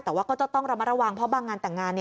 แต่ว่าก็จะต้องระมัดระวังเพราะบางงานแต่งงาน